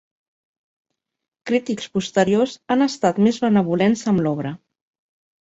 Crítics posteriors han estat més benvolents amb l'obra.